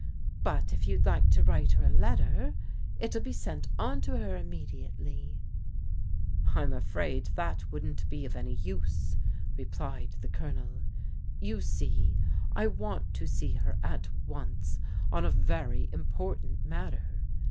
But if you'd like to write her a letter, it'll be sent on to her immediately." " I'm afraid that wouldn't be of any use," replied the Colonel. " You see, I want to see her at once on a very important matter.